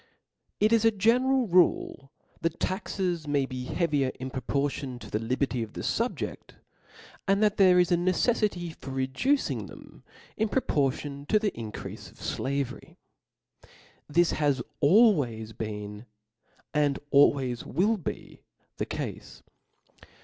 TT is a general rukj that taxes may be heavier in proportion to the liberty of the fubjecl, and that there is a ncceffity for reducing them in pro portion to the increale of flavery. This has al ways been and always will be the cale.